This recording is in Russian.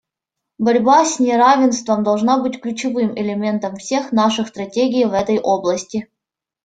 Борьба с неравенством должна быть ключевым элементом всех наших стратегий в этой области.